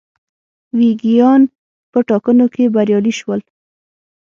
ویګیان په ټاکنو کې بریالي شول.